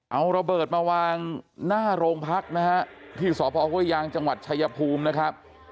เอาระเบิดมาวางหน้าโรงพักนะฮะที่สพห้วยยางจังหวัดชายภูมินะครับ